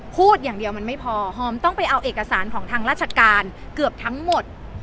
พูดอย่างเดียวมันไม่พอหอมต้องไปเอาเอกสารของทางราชการเกือบทั้งหมด